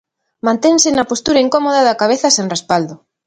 Mantense na postura incómoda da cabeza sen respaldo.